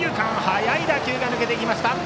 速い打球が抜けていきました。